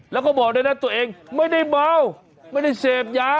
แล้วก็บอกด้วยนะตัวเองไม่ได้เมาไม่ได้เสพยา